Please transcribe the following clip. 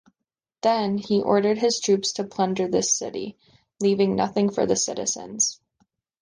Then, he ordered his troops to plunder the city, leaving nothing for the citizens.